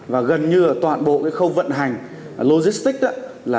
và gần như toàn bộ khâu vận hành logistics